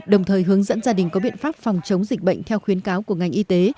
đồng thời hướng dẫn gia đình có biện pháp phòng chống dịch bệnh theo khuyến cáo của ngành y tế